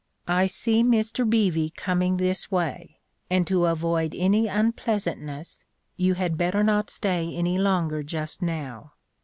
"I see Mr Beevy coming this way, and to avoid any unpleasantness you had better not stay any longer just now.